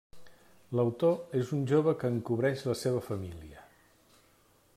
L'autor és un jove que encobreix la seva família.